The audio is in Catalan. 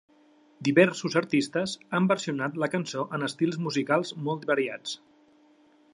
Diversos artistes han versionat la cançó en estils musicals molt variats.